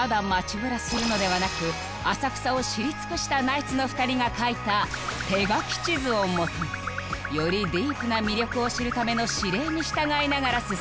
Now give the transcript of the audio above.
浅草を知り尽くしたナイツの２人が描いた手書き地図をもとによりディープな魅力を知るための指令に従いながら進んでいく